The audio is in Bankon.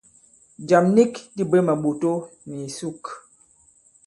Jàm nik dī bwě màɓòto nì ìsuk.